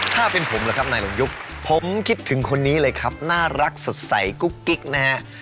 ถ้าเป็นผมล่ะครับนายหลงยุคผมคิดถึงคนนี้เลยครับน่ารักสดใสกุ๊กกิ๊กนะฮะ